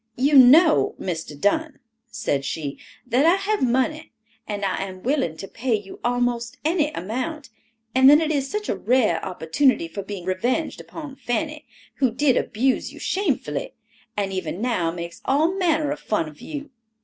"You know, Mr. Dunn," said she, "that I have money and I am willing to pay you almost any amount, and then it is such a rare opportunity for being revenged upon Fanny, who did abuse you shamefully, and even now makes all manner of fun of you.